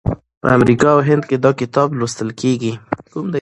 په امریکا او هند کې دا کتاب لوستل کیږي.